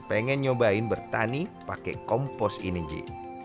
pengen nyobain bertani pakai kompos ini ji